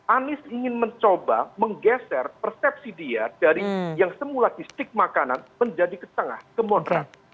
anies ingin mencoba menggeser persepsi dia dari yang semula di stik makanan menjadi ke tengah ke moderat